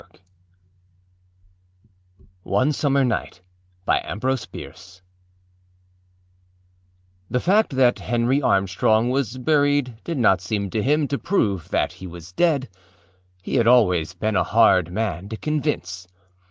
â ONE SUMMER NIGHT THE fact that Henry Armstrong was buried did not seem to him to prove that he was dead: he had always been a hard man to convince.